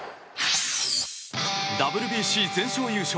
ＷＢＣ全勝優勝。